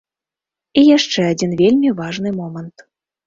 І яшчэ адзін вельмі важны момант.